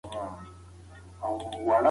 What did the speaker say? که انسان استقامت وکړي، د خداي رضا ترلاسه کوي.